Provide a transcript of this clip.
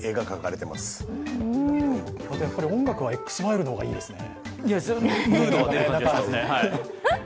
音楽はＸファイルの方がいいですね。